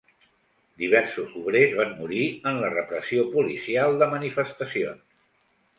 Diversos obrers van morir en la repressió policial de manifestacions.